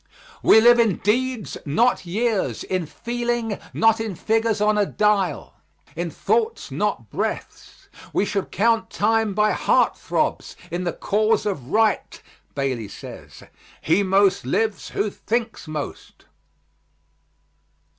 "We live in deeds, not years, in feeling, not in figures on a dial; in thoughts, not breaths; we should count time by heart throbs, in the cause of right." Bailey says: "He most lives who thinks most."